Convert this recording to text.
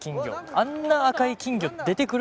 あんな赤い金魚出てくる？